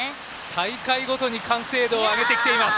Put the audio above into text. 大会ごとに完成度を上げてきています。